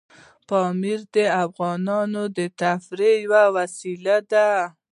پامیر د افغانانو د تفریح یوه وسیله ده.